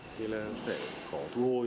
thì là sẽ khó thu hôi